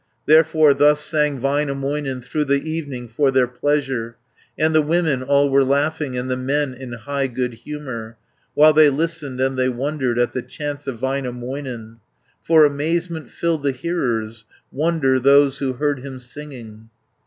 Therefore thus sang Väinämöinen Through the evening for their pleasure, And the women all were laughing, And the men in high good humour, While they listened and they wondered At the chants of Väinämöinen, 380 For amazement filled the hearers, Wonder those who heard him singing.